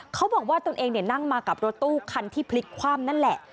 เขาบอกว่าตนเองนั่งมากับรถตู้คันที่พลิกคว่ำนั่นแหละ